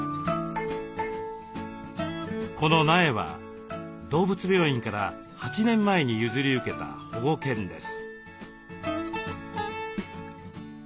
この苗は動物病院から８年前に譲り受けた保護犬です。